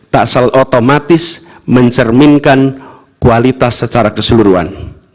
tak sel otomatis mencerminkan kualitas secara keseluruhan